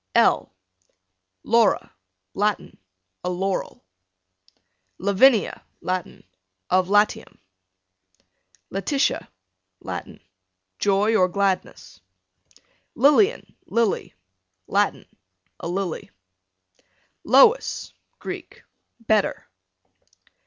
L Laura, Latin, a laurel. Lavinia, Latin, of Latium. Letitia, Latin, joy or gladness. Lilian, Lily, Latin, a lily. Lois, Greek, better.